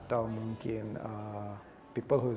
atau mungkin orang orang yang sangat berpikir